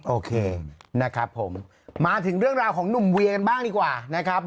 โอเคนะครับผมมาถึงเรื่องราวของหนุ่มเวียกันบ้างดีกว่านะครับ